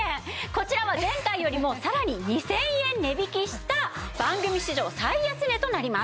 こちらは前回よりもさらに２０００円値引きした番組史上最安値となります。